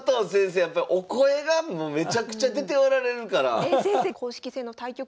やっぱりお声がもうめちゃくちゃ出ておられるから。